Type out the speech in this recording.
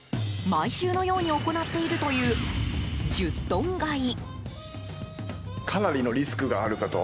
毎週のように行っているという１０トン買い。